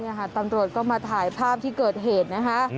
นี่ค่ะตำรวจก็มาถ่ายภาพที่เกิดเหตุนะคะ